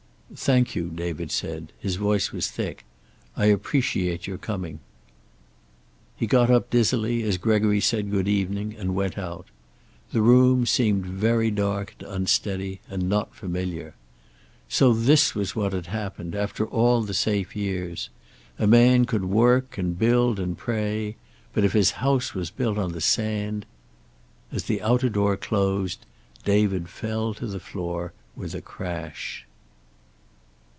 "Thank you," David said. His voice was thick. "I appreciate your coming." He got up dizzily, as Gregory said, "Good evening" and went out. The room seemed very dark and unsteady, and not familiar. So this was what had happened, after all the safe years! A man could work and build and pray, but if his house was built on the sand As the outer door closed David fell to the floor with a crash.